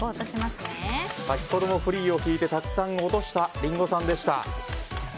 先ほどのフリーを引いてたくさん落としたリンゴさんでした。